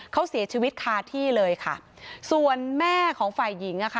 เขาเสียชีวิตคาที่เลยค่ะส่วนแม่ของฝ่ายหญิงอ่ะค่ะ